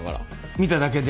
見ただけで？